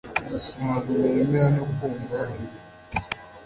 Ntabwo nemera ko numva ibi